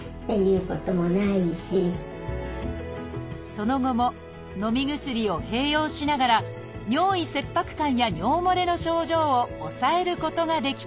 その後ものみ薬を併用しながら尿意切迫感や尿もれの症状を抑えることができています